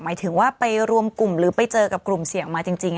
หมายถึงว่าไปรวมกลุ่มหรือไปเจอกับกลุ่มเสี่ยงมาจริง